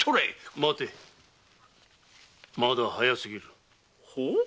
待てまだ早すぎる。